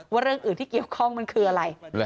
เรื่องอื่นที่เกี่ยวข้องมันคืออะไร